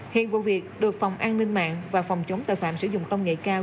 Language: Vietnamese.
hiện vụ việc được phòng an ninh mạng và phòng chống tội phạm sử dụng công nghệ cao